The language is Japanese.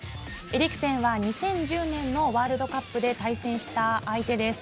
エリクセンは２０１０年のワールドカップで対戦した相手です。